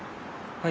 はい。